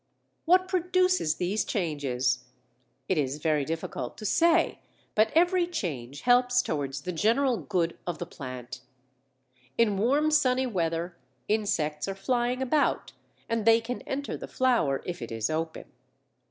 What produces these changes? It is very difficult to say, but every change helps towards the general good of the plant. In warm sunny weather insects are flying about, and they can enter the flower if it is open.